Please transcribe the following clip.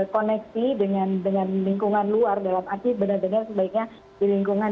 koneksi dengan dengan lingkungan luar dalam arti benar benar sebaiknya di lingkungan